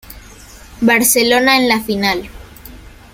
Barcelona en la final.